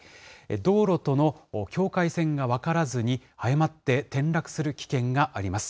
道路との境界線が分からずに、誤って転落する危険があります。